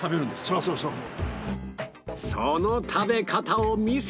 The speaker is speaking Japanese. そうそうそうそう。